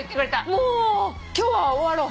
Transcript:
もう今日は終わろう。